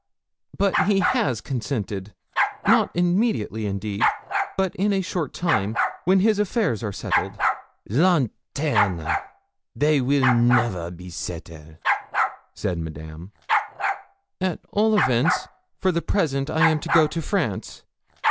'But he has consented not immediately indeed, but in a short time, when his affairs are settled.' 'Lanternes! They will never be settle,' said Madame. 'At all events, for the present I am to go to France.